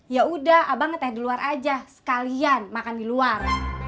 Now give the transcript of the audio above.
ya udah abangnya teh di luar aja sekalian makan di luar